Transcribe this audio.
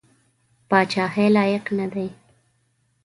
پاچهي لایق نه دی.